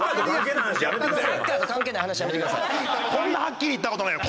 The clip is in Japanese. こんなはっきり言った事ないよ。